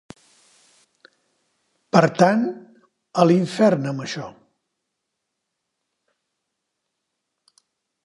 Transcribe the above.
Per tant, a l'infern amb això.